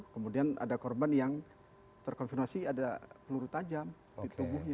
kemudian ada korban yang terkonfirmasi ada peluru tajam di tubuhnya